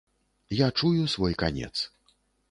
Я чую свой канец.